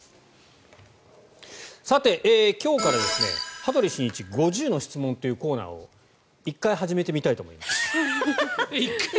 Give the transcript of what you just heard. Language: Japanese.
さて、今日から羽鳥慎一５０の質問というコーナーを１回？１回始めてみたいと思います。